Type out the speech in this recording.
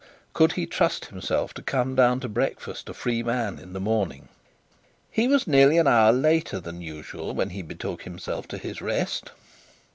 Could he trust himself to come down to breakfast a free man in the morning? He was nearly an hour later than usual, when he betook himself to his rest.